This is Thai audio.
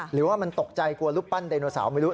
หรือว่ามันตกใจกลัวรูปปั้นไดโนเสาร์ไม่รู้